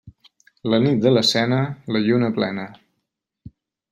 La nit de la Cena, la lluna plena.